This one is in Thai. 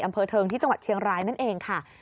อำเภอเทิงที่จังหวัดเชียงรายนั่นเองค่ะ